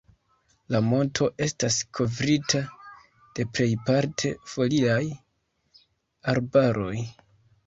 La monto estas kovrita de plejparte foliaj arbaroj.